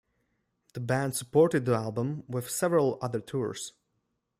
The band supported the album with several other tours.